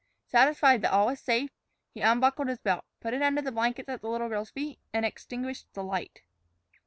Satisfied that all was safe, he unbuckled his belt, put it under the blankets at the little girl's feet, and extinguished the light.